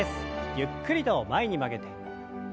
ゆっくりと前に曲げて。